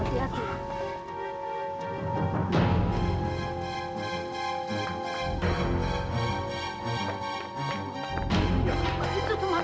itu temanmu juga nis cepat ma